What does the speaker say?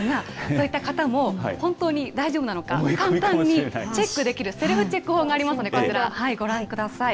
そういった方も、本当に大丈夫なのか、簡単にチェックできる、セルフチェック法がありますので、こちら、ご覧ください。